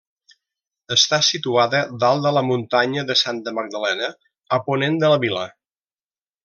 Està situada dalt de la Muntanya de Santa Magdalena, a ponent de la vila.